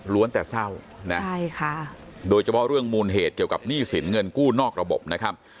แต่เศร้านะใช่ค่ะโดยเฉพาะเรื่องมูลเหตุเกี่ยวกับหนี้สินเงินกู้นอกระบบนะครับ